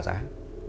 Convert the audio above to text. nó có mắt